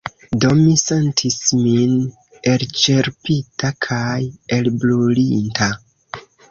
Do mi sentis min elĉerpita kaj elbrulinta.